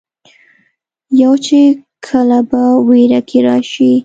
يو چې کله پۀ وېره کښې راشي